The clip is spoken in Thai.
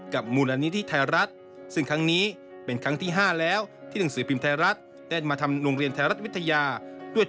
ขอบคุณครับ